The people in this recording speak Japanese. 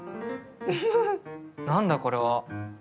何だこれは？